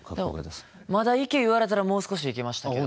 でもまだいけ言われたらもう少しいけましたけど。